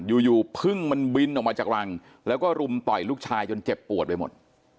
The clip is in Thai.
อยู่อยู่พึ่งมันบินออกมาจากรังแล้วก็รุมต่อยลูกชายจนเจ็บปวดไปหมด